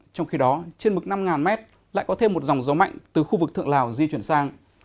trong khi đó trên mực năm m lại có thêm một dòng gió mạnh từ khu vực thượng lào di chuyển sang